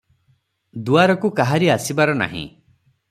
ଦୁଆରକୁ କାହାରି ଆସିବାର ନାହିଁ ।